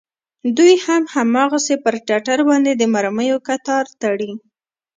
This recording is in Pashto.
دوى هم هماغسې پر ټټر باندې د مرميو کتار تړي.